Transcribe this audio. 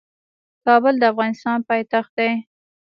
کابل د افغانستان پايتخت دی.